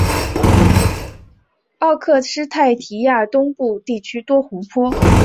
奥克施泰提亚东部地区多湖泊。